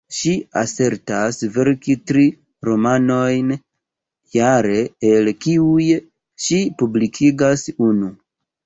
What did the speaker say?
Ŝi asertas verki tri romanojn jare, el kiuj ŝi publikigas unu.